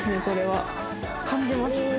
これは感じます